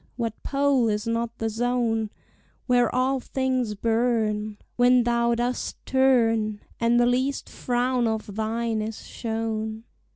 what pole is not the zone Where all things burn, When thou dost turn, And the least frown of thine is shown?